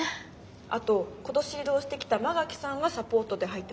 あと今年異動してきた馬垣さんがサポートで入ってくれてます。